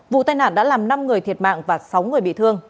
vụ tai nạn đã làm năm người thiệt mạng và sáu người bị thương